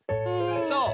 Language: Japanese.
そう。